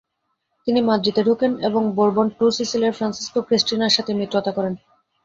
তিনি মাদ্রিদে ঢোকেন এবং Bourbon-two সিসিলের Francisco ক্রিস্টিনার সাথে মিত্রতা করেন।